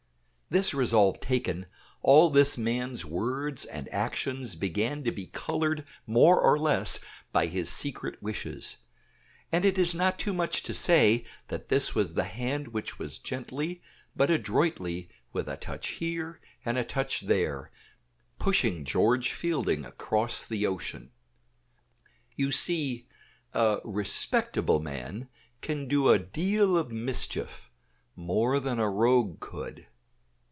This resolve taken, all this man's words and actions began to be colored more or less by his secret wishes; and it is not too much to say, that this was the hand which was gently but adroitly, with a touch here and a touch there, pushing George Fielding across the Ocean. You see, a respectable man can do a deal of mischief; more than a rogue could.